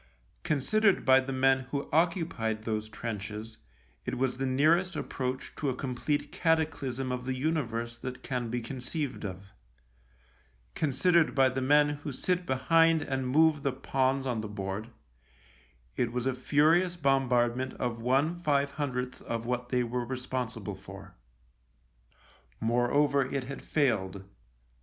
Considered by the men who occupied those trenches, it was the nearest approach to a complete cataclysm of the universe that can be conceived of ; con sidered by the men who sit behind and move the pawns on the board, it was a furious bombardment of one five hundredth of what they were responsible for. Moreover, it had failed.